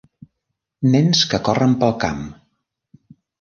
Nens que corren pel camp.